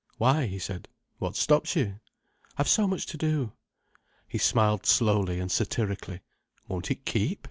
"Why?" he said. "What stops you?" "I've so much to do." He smiled slowly and satirically. "Won't it keep?"